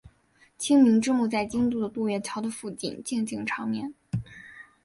晴明之墓在京都的渡月桥的附近静静长眠。